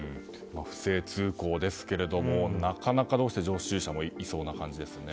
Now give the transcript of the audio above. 不正通行ですけどもなかなかどうして常習者もいそうな感じですね。